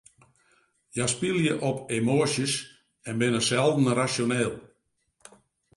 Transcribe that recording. Hja spylje op emoasjes en binne selden rasjoneel.